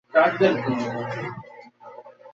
আমার ক্রেডিট কার্ডটা খুঁজে নিই।